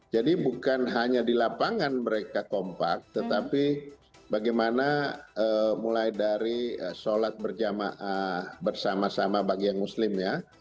jadi bukan hanya di lapangan mereka kompak tetapi bagaimana mulai dari sholat bersama sama bagi yang muslim ya